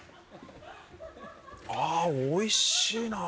ああおいしいなあ